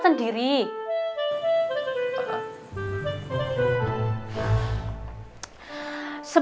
astaga belor eh